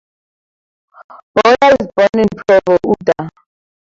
Boyer was born in Provo, Utah.